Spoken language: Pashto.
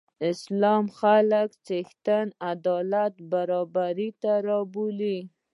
اسلام خلک یو څښتن، عدالت او برابرۍ ته رابلل.